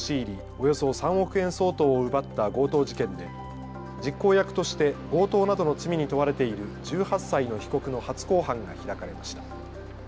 およそ３億円相当を奪った強盗事件で実行役として強盗などの罪に問われている１８歳の被告の初公判が開かれました。